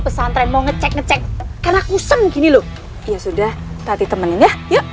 pesantren mau ngecek ngecek karena kusam gini loh ya sudah tapi temenin ya yuk